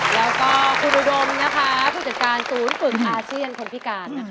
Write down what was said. แล้วก็คุณอุดมผู้จัดการสูญกลึกอาเชียนคมพิการ